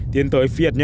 tiến tới phi hạt nhân hóa